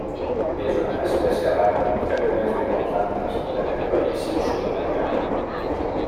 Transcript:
És una espècie rara que només viu als Andes d'aquest país sud-americà.